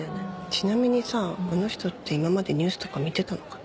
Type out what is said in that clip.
ちなみにさあの人って今までニュースとか見てたのかな？